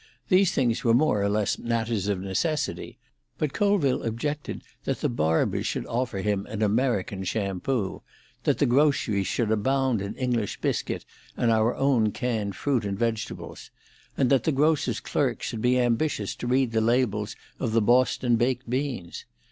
These things were more or less matters of necessity, but Colville objected that the barbers should offer him an American shampoo; that the groceries should abound in English biscuit and our own canned fruit and vegetables, and that the grocers' clerks should be ambitious to read the labels of the Boston baked beans.